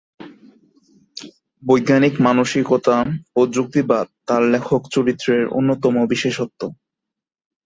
বৈজ্ঞানিক মানসিকতা ও যুক্তিবাদ তার লেখক চরিত্রের অন্যতম বিশেষত্ব।